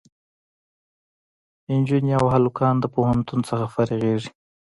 جینکۍ او هلکان د پوهنتون نه فارغېږي